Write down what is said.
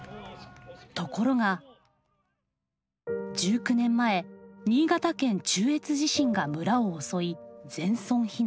ところが１９年前新潟県中越地震が村を襲い全村避難。